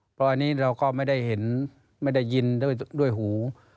เพราะอันนี้เราก็ไม่ได้เห็นไม่ได้ยินด้วยหู